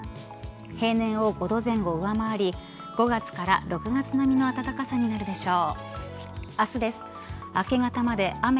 平年を５度前後上回り５月から６月並みの暖かさになるでしょう。